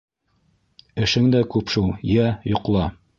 Эшең дә күп шул, йә, йоҡла.